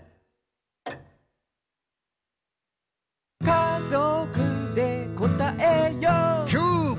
「かぞくでこたえよう」キュー！